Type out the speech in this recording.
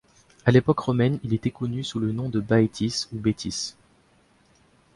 À l'époque romaine, il était connu sous le nom de Bætis, ou Betis.